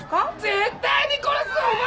絶対に殺すわお前！